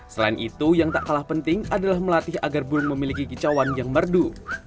selain itu yang tak kalah penting adalah melatih agar burung memiliki kicauan yang merdu